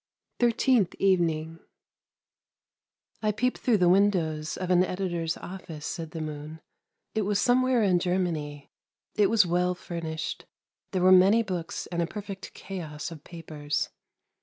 THIRTEENTH EVENING " I peeped through the windows of an editor's office," said the moon. " It was somewhere in Germany. It was well furnished ; there were many books and a perfect chaos of papers.